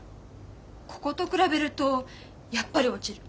ここと比べるとやっぱり落ちる。